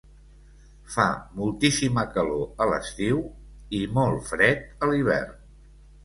Fa moltíssima calor a l'estiu i molt fred a l'hivern.